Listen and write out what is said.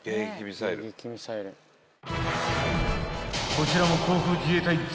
［こちらも］